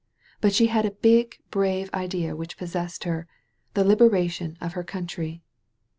But she had a big, brave idea which possessed her — the liberation of her country.